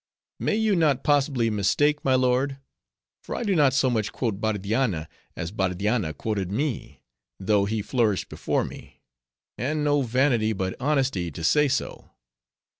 "May you not possibly mistake, my lord? for I do not so much quote Bardianna, as Bardianna quoted me, though he flourished before me; and no vanity, but honesty to say so.